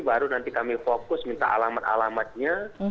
baru nanti kami fokus minta alamat alamatnya